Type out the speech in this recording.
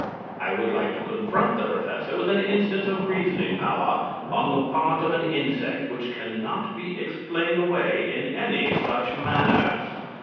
I would like to confront the Professor with an instance of reasoning power on the part of an insect which can not be explained away in any such manner.